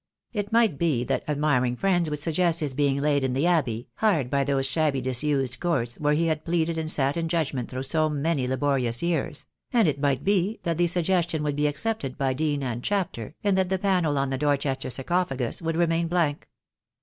It might be that admiring friends would suggest his being laid in the Abbey, hard by those shabby disused courts where he had pleaded and sat in judgment through so many laborious years; and it might be that the suggestion would be accepted by Dean and Chapter, and that the panel on the Dorchester sarcophagus would remain blank.